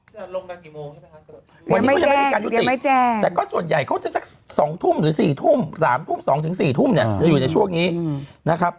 จะลงกันกี่โมงใช่ไหมครับวันนี้เขายังไม่มีการยุติแต่ก็ส่วนใหญ่เขาจะสัก๒ทุ่มหรือ๔ทุ่ม๓ทุ่ม๒๔ทุ่มเนี่ยจะอยู่ในช่วงนี้นะครับ